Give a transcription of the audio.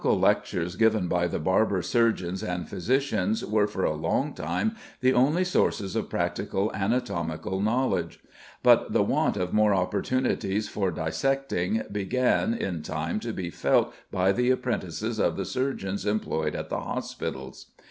The anatomical lectures given by the Barber Surgeons and Physicians were for a long time the only sources of practical anatomical knowledge; but the want of more opportunities for dissecting began in time to be felt by the apprentices of the surgeons employed at the hospitals.